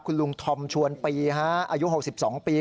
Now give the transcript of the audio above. คุณลุงธอมชวนปีอายุ๖๒ปี